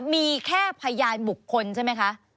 มีแค่พยานบุคคลใช่ไหมคะ